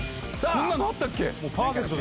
こんなのあったっけ？